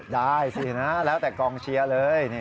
ได้สินะแล้วแต่กองเชียร์เลย